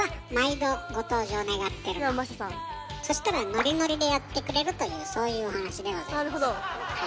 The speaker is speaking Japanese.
そしたらノリノリでやってくれるというそういうお話でございます。